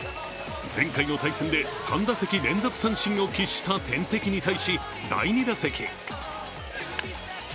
前回の対戦で３打席連続三振を喫した天敵に対し、第２打席。